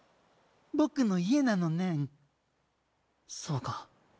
僕の家なのねんそうか。